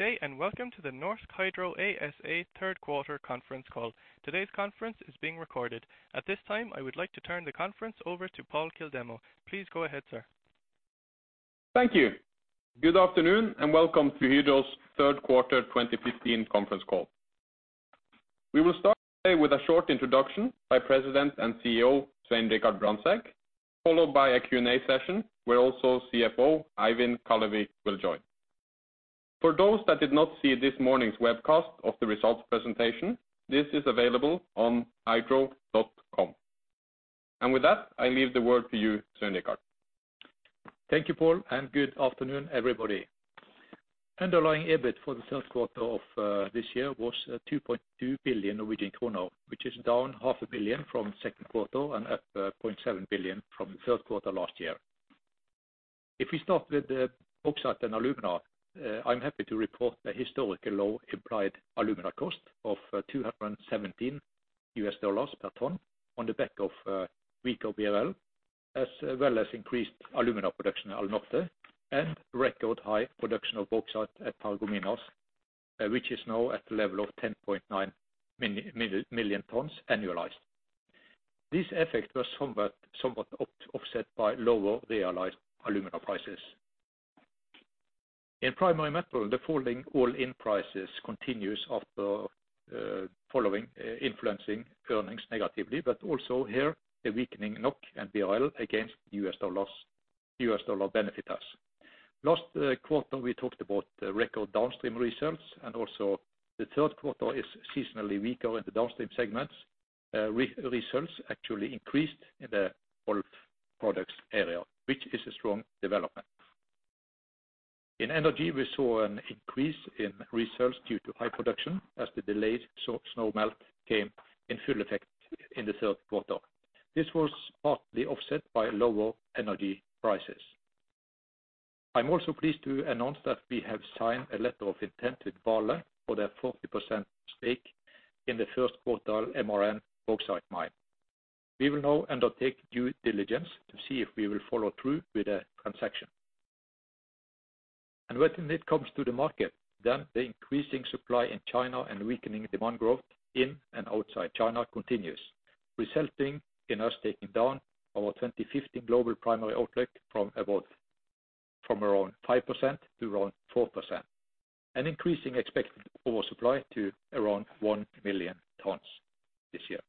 day and welcome to the Norsk Hydro ASA third quarter conference call. Today's conference is being recorded. At this time, I would like to turn the conference over to Pål Kildemo. Please go ahead, sir. Thank you. Good afternoon, and welcome to Hydro's third quarter 2015 conference call. We will start today with a short introduction by President and CEO, Svein Richard Brandtzæg, followed by a Q&A session where also CFO Eivind Kallevik will join. For those that did not see this morning's webcast of the results presentation, this is available on hydro.com. With that, I leave the word to you, Svein Richard. Thank you, Paul, and good afternoon, everybody. Underlying EBIT for the third quarter of this year was 2.2 billion Norwegian kroner, which is down 500 million from second quarter and up 0.7 billion from the third quarter last year. If we start with the bauxite and alumina, I'm happy to report a historical low implied alumina cost of $217 per ton on the back of weaker BRL, as well as increased alumina production at Alunorte, and record high production of bauxite at Paragominas, which is now at the level of 10.9 million tons annualized. This effect was somewhat offset by lower realized alumina prices. In primary metal, the falling all-in prices continue to influence earnings negatively, but also here the weakening NOK and BRL against the US dollar benefit us. Last quarter, we talked about the record downstream results. The third quarter is seasonally weaker in the downstream segments. Results actually increased in the rolled products area, which is a strong development. In energy, we saw an increase in results due to high production as the delayed snow melt came in full effect in the third quarter. This was partly offset by lower energy prices. I'm also pleased to announce that we have signed a letter of intent with Vale for their 40% stake in the first quarter MRN bauxite mine. We will now undertake due diligence to see if we will follow through with a transaction. When it comes to the market, then the increasing supply in China and weakening demand growth in and outside China continues, resulting in us taking down our 2015 global primary output from around 5% to around 4%, an increasing expected oversupply to around 1 million tons this year.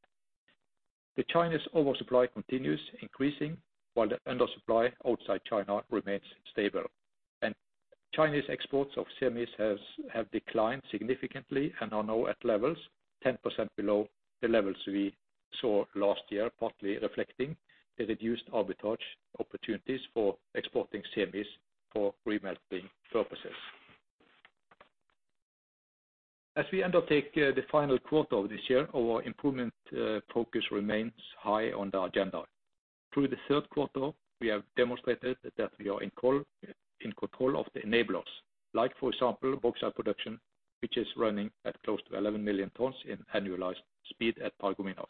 The Chinese oversupply continues increasing while the undersupply outside China remains stable. Chinese exports of semis have declined significantly and are now at levels 10% below the levels we saw last year, partly reflecting the reduced arbitrage opportunities for exporting semis for remelting purposes. As we undertake the final quarter of this year, our improvement focus remains high on the agenda. Through the third quarter, we have demonstrated that we are in control of the enablers, like for example, bauxite production, which is running at close to 11 million tons in annualized speed at Paragominas.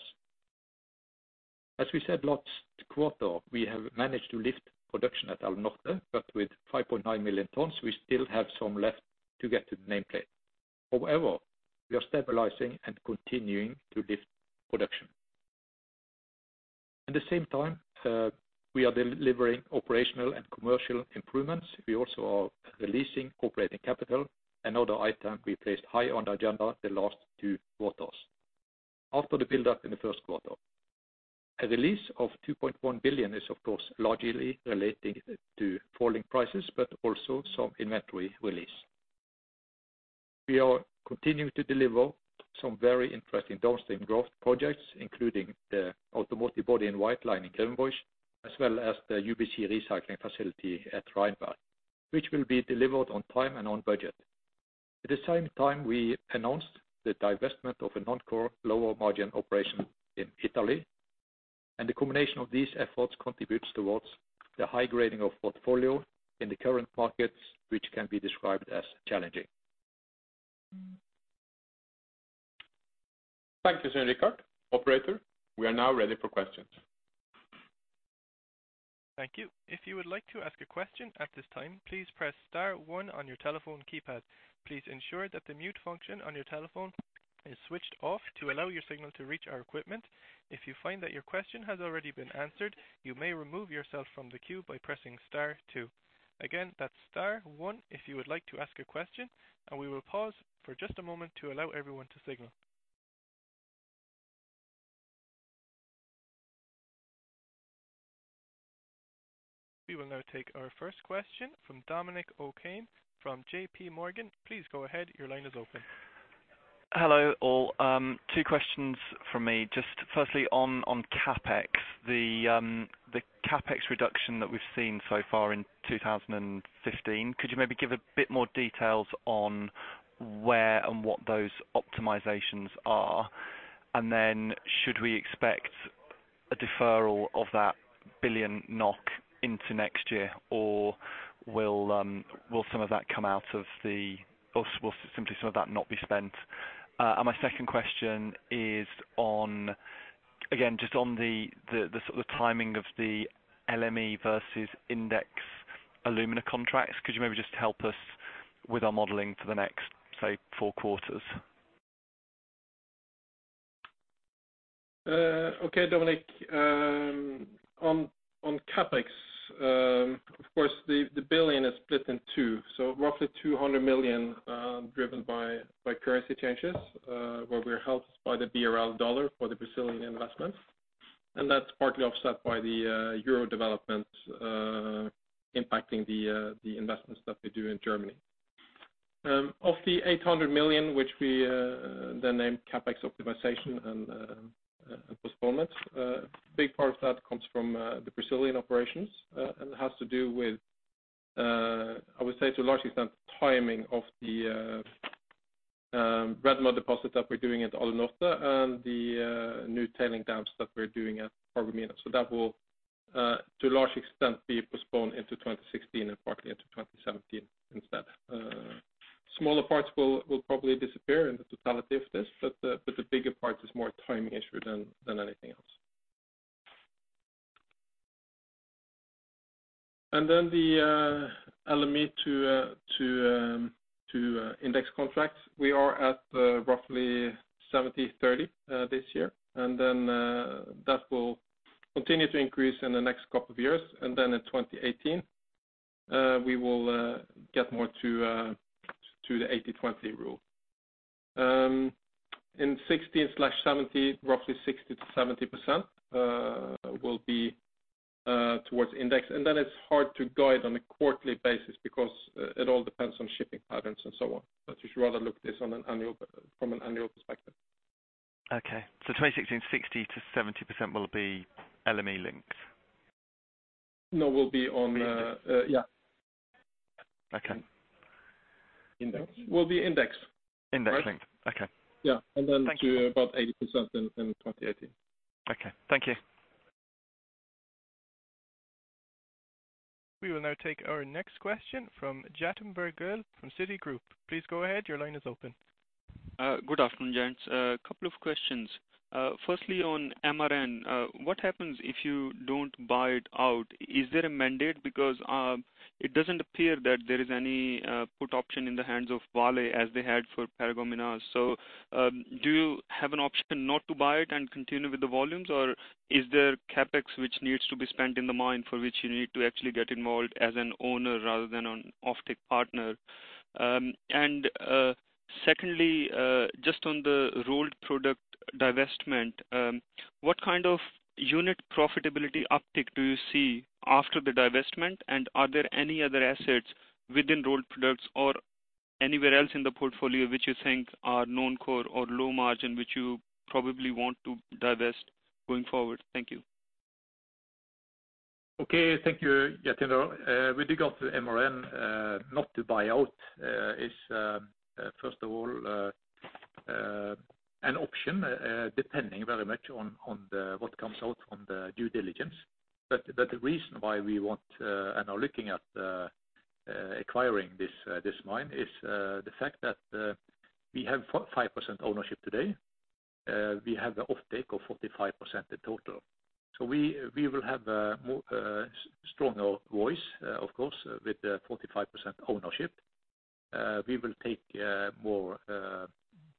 As we said last quarter, we have managed to lift production at Alunorte, but with 5.9 million tons, we still have some left to get to the nameplate. However, we are stabilizing and continuing to lift production. At the same time, we are delivering operational and commercial improvements. We also are releasing operating capital, another item we placed high on the agenda the last two quarters after the buildup in the first quarter. A release of 2.1 billion is of course largely relating to falling prices, but also some inventory release. We are continuing to deliver some very interesting downstream growth projects, including the automotive body-in-white line in Grevenbroich, as well as the UBC recycling facility at Rheinwerk, which will be delivered on time and on budget. At the same time, we announced the divestment of a non-core lower margin operation in Italy, and the combination of these efforts contributes towards the high grading of portfolio in the current markets, which can be described as challenging. Thank you, Svein Richard Brandtzæg. Operator, we are now ready for questions. Thank you. If you would like to ask a question at this time, please press star one on your telephone keypad. Please ensure that the mute function on your telephone is switched off to allow your signal to reach our equipment. If you find that your question has already been answered, you may remove yourself from the queue by pressing star two. Again, that's star one if you would like to ask a question, and we will pause for just a moment to allow everyone to signal. We will now take our first question from Dominic O'Kane from JPMorgan. Please go ahead. Your line is open. Hello, all. Two questions from me. Just firstly on CapEx. The CapEx reduction that we've seen so far in 2015, could you maybe give a bit more details on where and what those optimizations are? Should we expect a deferral of that 1 billion NOK into next year, or will some of that come out of the, or will simply some of that not be spent? My second question is on again, just on the sort of timing of the LME versus index alumina contracts, could you maybe just help us with our modeling for the next, say, four quarters? Okay, Dominic. On CapEx, of course, 1 billion is split in two. Roughly 200 million, driven by currency changes, where we are helped by the BRL dollar for the Brazilian investments. That's partly offset by the Euro development, impacting the investments that we do in Germany. Of the 800 million, which we then named CapEx optimization and postponements, a big part of that comes from the Brazilian operations, and has to do with, I would say to a large extent, timing of the red mud deposit that we're doing at Alunorte and the new tailings dams that we're doing at Paragominas. That will to a large extent be postponed into 2016 and partly into 2017 instead. Smaller parts will probably disappear in the totality of this, but the bigger part is more timing issue than anything else. LME to index contracts. We are at roughly 70/30 this year. That will continue to increase in the next couple of years. In 2018 we will get more to the 80/20 rule. In 60/70, roughly 60%-70% will be towards index. It's hard to guide on a quarterly basis because it all depends on shipping patterns and so on. You should rather look this on an annual perspective. Okay. 2016, 60%-70% will be LME links. No, will be on the. Links. Yeah. Okay. Index. Will be index. Index link. Right. Okay. Yeah. Thank you. to about 80% in 2018. Okay. Thank you. We will now take our next question from Jatinder Goel from Citigroup. Please go ahead. Your line is open. Good afternoon, gents. A couple of questions. Firstly on MRN, what happens if you don't buy it out? Is there a mandate? Because it doesn't appear that there is any put option in the hands of Vale as they had for Paragominas. Do you have an option not to buy it and continue with the volumes? Or is there CapEx which needs to be spent in the mine for which you need to actually get involved as an owner rather than an offtake partner? Secondly, just on the Rolled Products divestment, what kind of unit profitability uptick do you see after the divestment? And are there any other assets within Rolled Products or anywhere else in the portfolio which you think are non-core or low margin, which you probably want to divest going forward? Thank you. Okay. Thank you, Jatinder. With regard to MRN, not to buy out is first of all an option, depending very much on what comes out from the due diligence. The reason why we want and are looking at acquiring this mine is the fact that we have 5% ownership today. We have the offtake of 45% in total. We will have a stronger voice, of course, with the 45% ownership. We will take more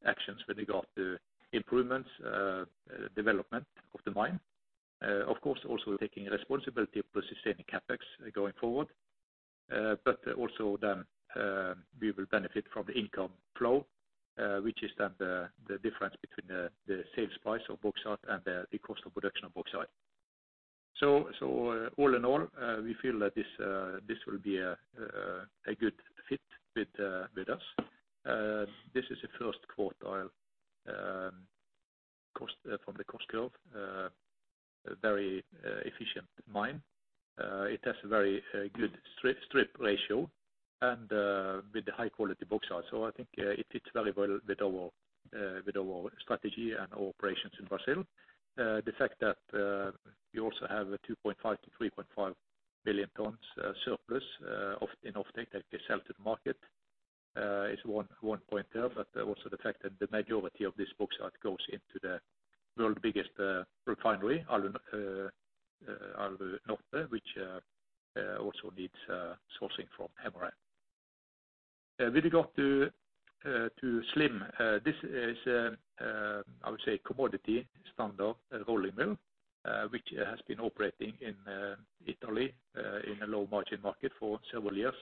actions with regard to improvements, development of the mine. Of course, also taking responsibility of sustaining CapEx going forward. We will benefit from the income flow, which is then the difference between the sales price of bauxite and the cost of production of bauxite. All in all, we feel that this will be a good fit with us. This is the first quartile cost from the cost curve, very efficient mine. It has a very good strip ratio and with the high quality bauxite. I think it fits very well with our strategy and operations in Brazil. The fact that we also have a 2.5 billion tons-3.5 billion tons surplus in offtake that we sell to the market is one point there. Also the fact that the majority of this bauxite goes into the world's biggest refinery, Alunorte, which also needs sourcing from MRN. With regard to SLIM, this is, I would say commodity standard rolling mill, which has been operating in Italy, in a low margin market for several years,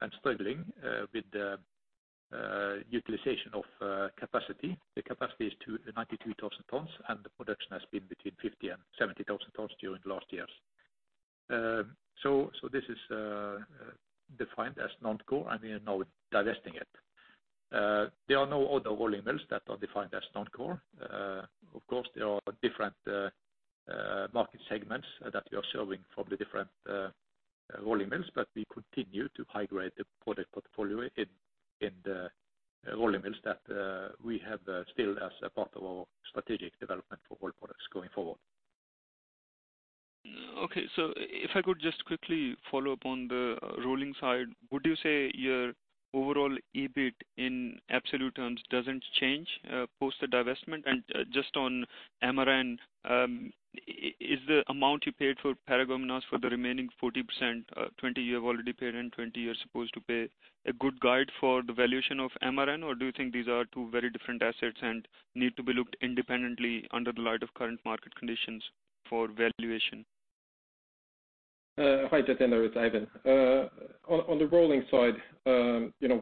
and struggling with the utilization of capacity. The capacity is 92,000 tons, and the production has been between 50,000 tons-70,000 tons during last years. This is defined as non-core, and we are now divesting it. There are no other rolling mills that are defined as non-core. Of course, there are different market segments that we are serving from the different rolling mills, but we continue to high-grade the product portfolio in the rolling mills that we have still as a part of our strategic development for Rolled Products going forward. Okay. If I could just quickly follow up on the rolling side, would you say your overall EBIT in absolute terms doesn't change post the divestment? And just on MRN, is the amount you paid for Paragominas for the remaining 40%, 20% you have already paid and 20% you're supposed to pay, a good guide for the valuation of MRN? Or do you think these are two very different assets and need to be looked independently under the light of current market conditions for valuation? Hi, Jatinder. It's Eivind. On the rolling side, you know,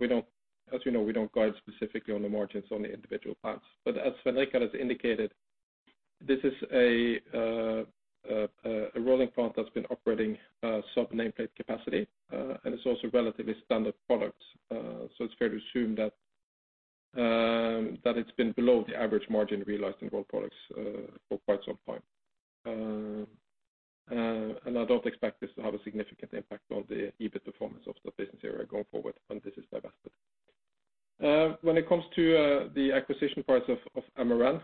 as you know, we don't guide specifically on the margins on the individual plants. As Svein has indicated, this is a rolling plant that's been operating sub nameplate capacity, and it's also relatively standard products. It's fair to assume that it's been below the average margin realized in Rolled Products for quite some time. I don't expect this to have a significant impact on the EBIT performance of the business area going forward when this is divested. When it comes to the acquisition price of MRN,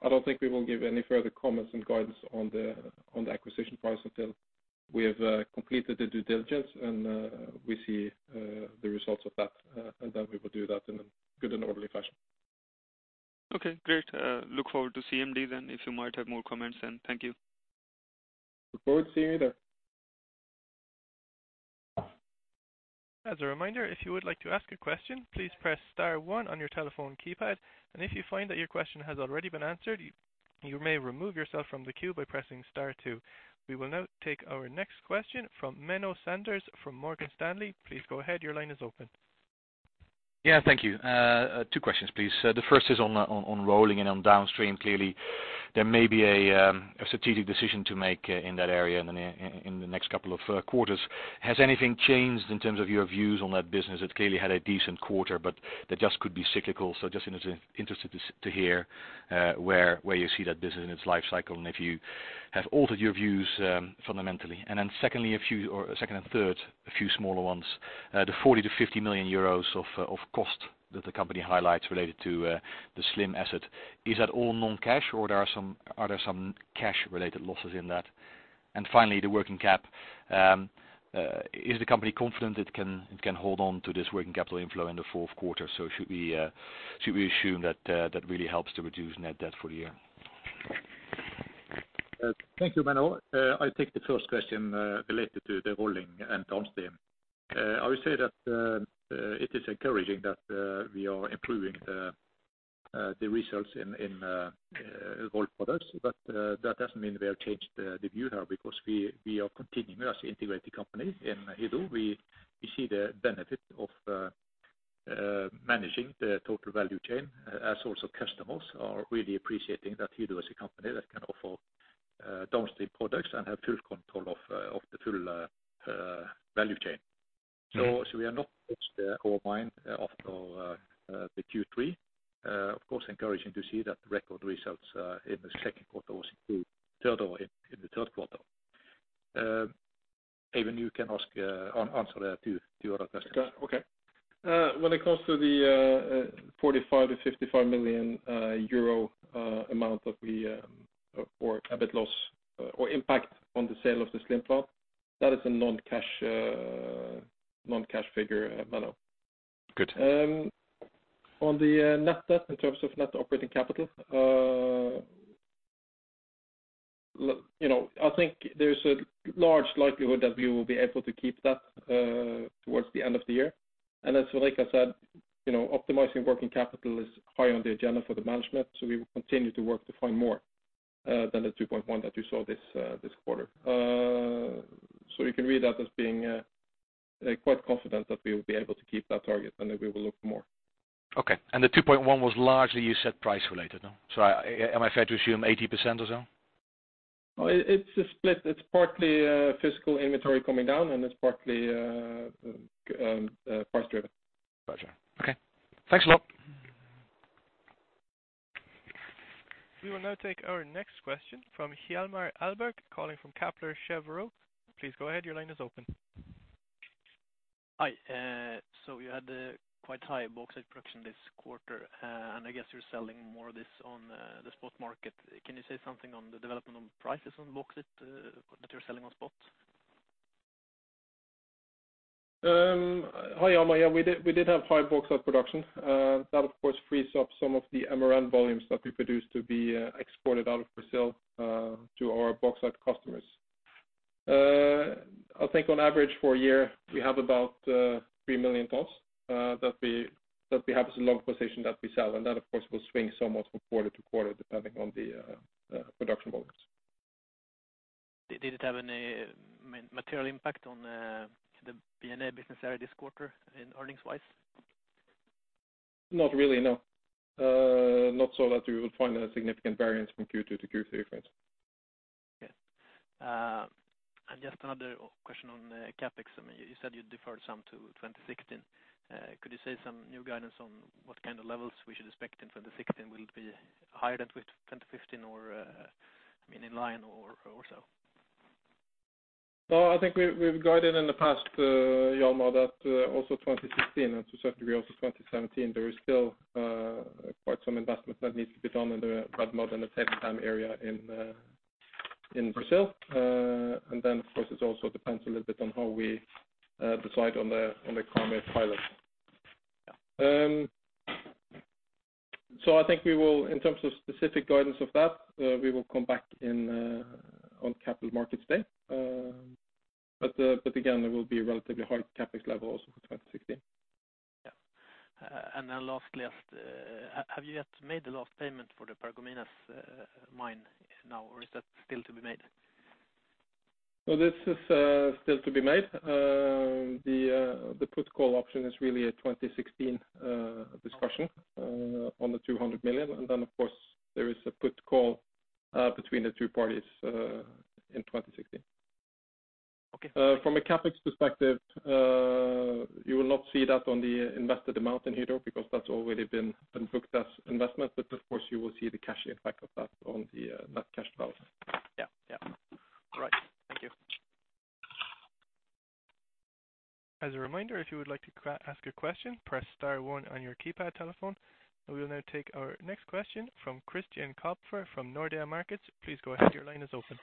I don't think we will give any further comments and guidance on the acquisition price until we have completed the due diligence and we see the results of that. We will do that in a good and orderly fashion. Okay, great. Look forward to CMD then, if you might have more comments then. Thank you. Look forward to seeing you there. As a reminder, if you would like to ask a question, please press star one on your telephone keypad. If you find that your question has already been answered, you may remove yourself from the queue by pressing star two. We will now take our next question from Menno Sanderse from Morgan Stanley. Please go ahead. Your line is open. Yeah, thank you. Two questions, please. The first is on rolling and on downstream. Clearly, there may be a strategic decision to make in that area in the next couple of quarters. Has anything changed in terms of your views on that business? It clearly had a decent quarter, but that just could be cyclical. Just interested to hear where you see that business in its life cycle, and if you have altered your views fundamentally. Then secondly, or second and third, a few smaller ones. The 40 million-50 million euros of cost that the company highlights related to the Slim asset. Is that all non-cash or are there some cash related losses in that? Finally, the working cap. Is the company confident it can hold on to this working capital inflow in the fourth quarter, so should we assume that really helps to reduce net debt for the year? Thank you, Menno. I'll take the first question related to the rolling and downstream. I would say that it is encouraging that we are improving the results in Rolled Products. That doesn't mean we have changed the view here because we are continuing as an integrated company in Hydro. We see the benefit of managing the total value chain as also customers are really appreciating that Hydro is a company that can offer downstream products and have full control of the full value chain. We are not Mm-hmm. Past the core mine of the Q3. Of course, encouraging to see that the record results in the second quarter was improved total in the third quarter. Eivind, you can ask and answer the two other questions. Okay. When it comes to the 45 million-55 million euro amount that we or EBIT loss or impact on the sale of the Slim plant, that is a non-cash figure, Menno. Good. On the net debt in terms of net operating capital, you know, I think there's a large likelihood that we will be able to keep that towards the end of the year. As Svein Richard said, you know, optimizing working capital is high on the agenda for the management, so we will continue to work to find more than the 2.1 billion that you saw this quarter. You can read that as being quite confident that we will be able to keep that target and that we will look more. Okay. The 2.1 billion was largely you said price related, no? Am I fair to assume 80% or so? Well, it's a split. It's partly physical inventory coming down, and it's partly price driven. Gotcha. Okay. Thanks a lot. We will now take our next question from Hjalmar Ahlberg, calling from Kepler Cheuvreux. Please go ahead. Your line is open. Hi. You had a quite high bauxite production this quarter, and I guess you're selling more of this on the spot market. Can you say something on the development on prices on bauxite that you're selling on spot? Hi, Hjalmar. Yeah, we did have high bauxite production. That of course frees up some of the MRN volumes that we produce to be exported out of Brazil to our bauxite customers. I think on average for a year, we have about 3 million tons that we have as a long position that we sell. That of course will swing somewhat from quarter to quarter, depending on the production volumes. Did it have any material impact on the B&A business area this quarter in earnings-wise? Not really, no. Not so that we would find a significant variance from Q2 to Q3, for instance. Okay. Just another question on CapEx. I mean, you said you deferred some to 2016. Could you say some new guidance on what kind of levels we should expect in 2016? Will it be higher than 2015 or, I mean, in line or so? No, I think we've guided in the past, Hjalmar that, also 2016 and to a certain degree also 2017, there is still, quite some investment that needs to be done in the Alunorte and the Paragominas area in Brazil. Then of course, it also depends a little bit on how we, decide on the, on the Karmøy pilot. I think we will in terms of specific guidance of that, we will come back in, on Capital Markets Day. But again, there will be a relatively high CapEx levels for 2016. Yeah, last, have you yet made the last payment for the Paragominas mine now, or is that still to be made? No, this is still to be made. The put call option is really a 2016 discussion on the 200 million. Of course, there is a put call between the two parties in 2016. Okay. From a CapEx perspective, you will not see that on the invested amount in here, though, because that's already been booked as investment. Of course, you will see the cash impact of that on the net cash balance. Yeah. Yeah. All right. Thank you. As a reminder, if you would like to ask a question, press star one on your keypad telephone. We will now take our next question from Christian Kopfer from Nordea Markets. Please go ahead. Your line is open.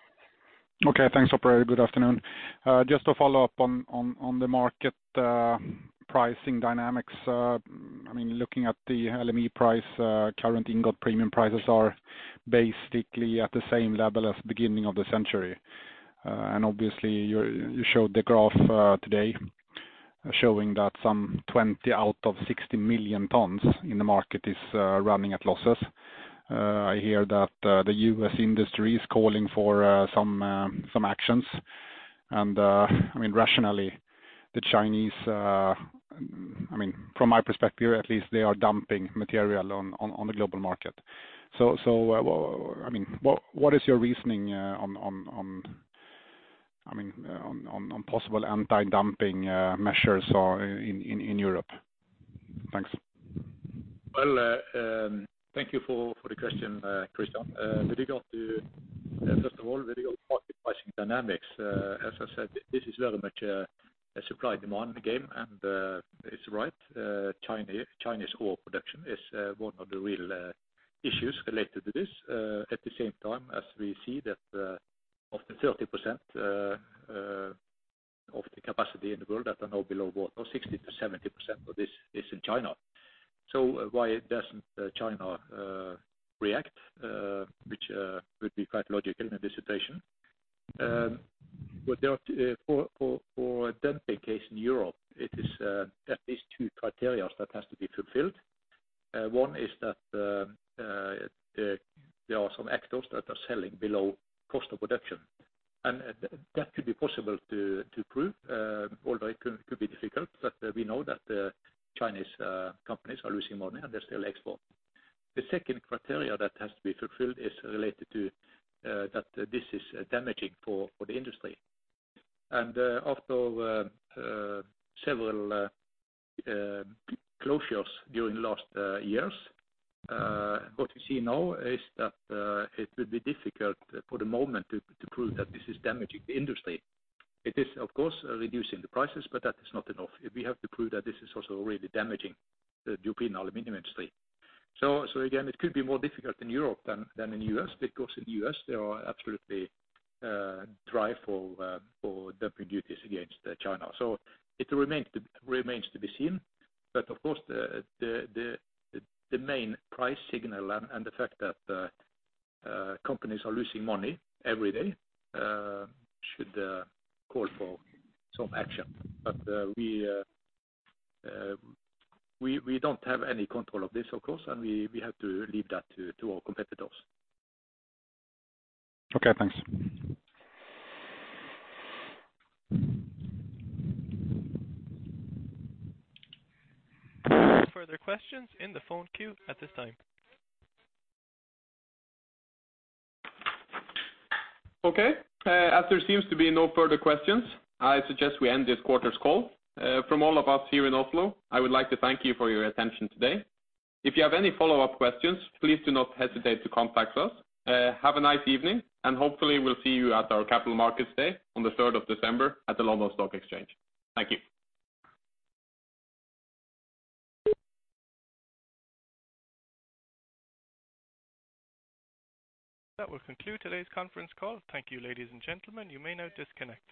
Okay, thanks, operator. Good afternoon. Just to follow up on the market pricing dynamics. I mean, looking at the LME price, current ingot premium prices are basically at the same level as beginning of the century. Obviously, you showed the graph today showing that some 20 out of 60 million tons in the market is running at losses. I hear that the U.S. industry is calling for some actions. I mean, rationally, the Chinese, I mean, from my perspective at least, they are dumping material on the global market. Well, I mean, what is your reasoning on, I mean, on possible anti-dumping measures or in Europe? Thanks. Well, thank you for the question, Christian. With regard to market pricing dynamics, as I said, this is very much a supply demand game. It's right, Chinese ore production is one of the real issues related to this. At the same time, as we see that up to 30% of the capacity in the world that are now below water, 60%-70% of this is in China. Why doesn't China react, which would be quite logical in this situation. For a dumping case in Europe, it is at least two criteria that has to be fulfilled. One is that there are some actors that are selling below cost of production, and that could be possible to prove, although it could be difficult. We know that the Chinese companies are losing money, and they still export. The second criteria that has to be fulfilled is related to that this is damaging for the industry. After several closures during the last years, what you see now is that it would be difficult for the moment to prove that this is damaging the industry. It is of course reducing the prices, but that is not enough. We have to prove that this is also really damaging the European aluminum industry. Again, it could be more difficult in Europe than in the U.S., because in the U.S., they are absolutely driving for dumping duties against China. It remains to be seen. Of course, the main price signal and the fact that companies are losing money every day should call for some action. We don't have any control of this, of course, and we have to leave that to our competitors. Okay, thanks. No further questions in the phone queue at this time. As there seems to be no further questions, I suggest we end this quarter's call. From all of us here in Oslo, I would like to thank you for your attention today. If you have any follow-up questions, please do not hesitate to contact us. Have a nice evening, and hopefully we'll see you at our Capital Markets Day on the 3rd of December at the London Stock Exchange. Thank you. That will conclude today's conference call. Thank you, ladies and gentlemen. You may now disconnect.